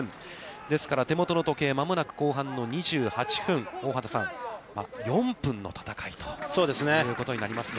ですから、手元の時計、間もなく後半の２８分、大畑さん、４分の戦いということになりますね。